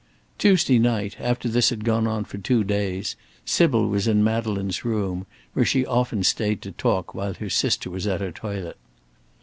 Tuesday night, after this had gone on for two days, Sybil was in Madeleine's room, where she often stayed to talk while her sister was at her toilet.